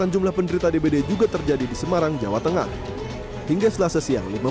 jumlah penderita dbd mencapai lima puluh tiga orang satu diantaranya bahwa pasien demam berdarah